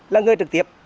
là người trực tiếp